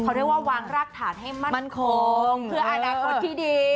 เขาเรียกว่าวางรากฐานให้มั่นคงเพื่ออนาคตที่ดี